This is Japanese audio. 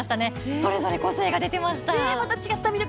それぞれ個性が出ていました。